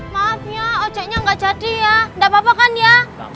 maaf ya ojeknya nggak jadi ya nggak apa apa kan ya